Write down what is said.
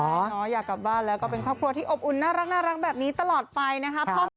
อยากกลับบ้านแล้วก็เป็นครอบครัวที่อบอุ่นน่ารักแบบนี้ตลอดไปนะครับ